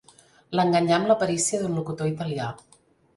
L'enganyà amb la perícia d'un locutor italià.